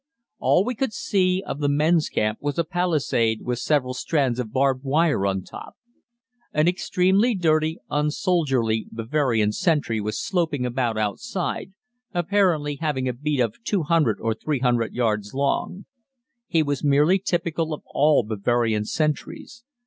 All we could see of the men's camp was a palisade with several strands of barbed wire on top. An extremely dirty, unsoldierly Bavarian sentry was sloping about outside, apparently having a beat of 200 or 300 yards long. He was merely typical of all Bavarian sentries.